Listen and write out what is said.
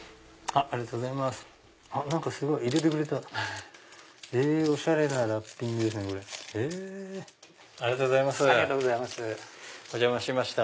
ありがとうございます。